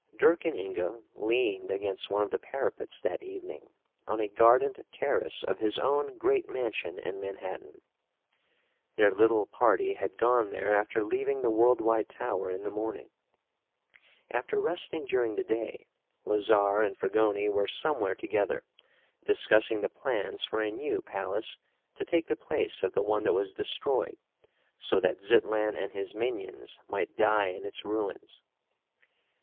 Dirk and Inga leaned against one of the parapets that evening on a gardened terrace of his own great mansion in Manhattan. Their little party had gone there after leaving the Worldwide Tower in the morning. After resting during the day, Lazarre and Fragoni were somewhere together, discussing the plans for a new palace to take the place of the one that was destroyed so that Zitlan and his minions might die in its ruins.